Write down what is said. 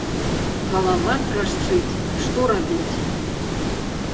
Галава трашчыць, што рабіць!